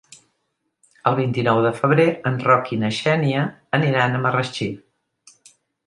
El vint-i-nou de febrer en Roc i na Xènia aniran a Marratxí.